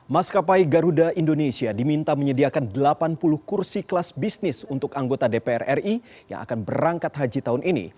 maskapai garuda indonesia diminta menyediakan delapan puluh kursi kelas bisnis untuk anggota dpr ri yang akan berangkat haji tahun ini